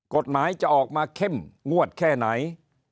กฎหมายจะออกมาเข้มงวดแค่ไหน